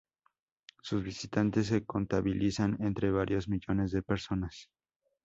Sus visitantes se contabilizan entre varios millones de personas.